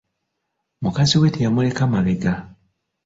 Mukazi we teyamuleka mabega.